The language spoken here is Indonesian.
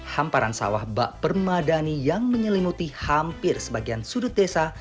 hamparan sawah bak permadani yang menyelimuti hampir sebagian sudut desa